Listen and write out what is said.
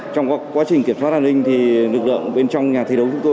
trong quá trình kiểm soát an ninh thì lực lượng bên trong nhà thi đấu chúng tôi